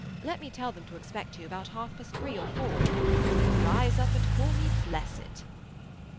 Let me tell them to expect you about half past three or four. They will rise up and call me blessed."